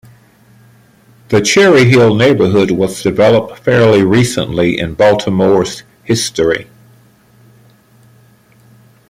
The Cherry Hill neighborhood was developed fairly recently in Baltimore's history.